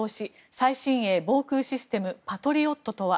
最新鋭防空システムパトリオットとは。